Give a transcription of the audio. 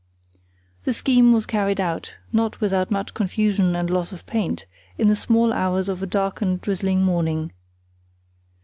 The scheme was carried out, not without much confusion and loss of paint, in the small hours of a dark and drizzling morning.